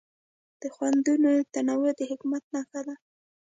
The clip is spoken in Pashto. د خوندونو تنوع د حکمت نښه ده.